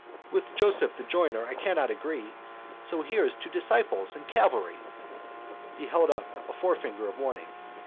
With Joseph the joiner I cannot agree. So here's to disciples and Calvary._ He held up a forefinger of warning.